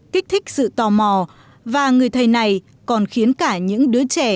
kích thích sự tò mò và người thầy này còn khiến cả những đứa trẻ